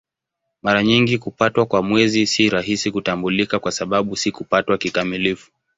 Mara nyingi kupatwa kwa Mwezi si rahisi kutambulika kwa sababu si kupatwa kikamilifu.